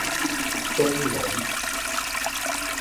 中女